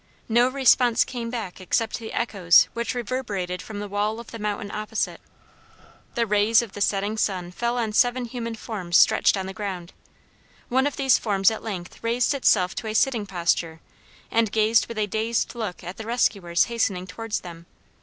No response came back except the echoes which reverberated from the wall of the mountain opposite. The rays of the setting sun fell on seven human forms stretched on the ground. One of these forms at length raised itself to a sitting posture and gazed with a dazed look at the rescuers hastening towards them.